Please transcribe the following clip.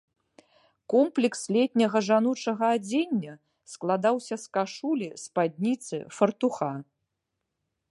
Комплекс летняга жаночага адзення складаўся з кашулі, спадніцы, фартуха.